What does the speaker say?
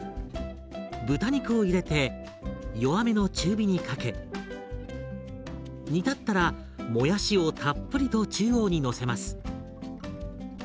豚肉を入れて弱めの中火にかけ煮立ったらもやしをたっぷりと中央にのせます。